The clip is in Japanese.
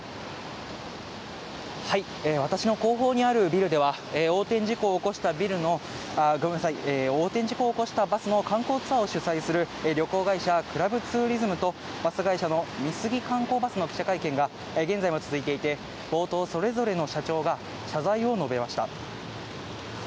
私の後方にあるビルでは、横転事故を起こしたバスの観光ツアーを主催する旅行会社、クラブツーリズムと、バス会社の美杉観光バスの記者会見が現在も続いていて、冒頭、それぞれの社長が謝罪を述べました。